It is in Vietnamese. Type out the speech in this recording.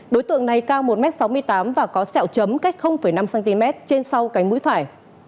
đối tượng này cao một m sáu mươi tám và có sẹo chấm cách năm cm trên sau cánh mũi phải